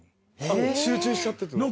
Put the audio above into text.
集中しちゃってって事？